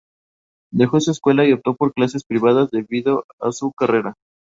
Dejó su escuela y optó por clases privadas debido a su carrera.